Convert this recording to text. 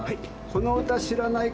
この歌知らないかなぁ。